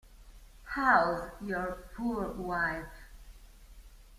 How's Your Poor Wife?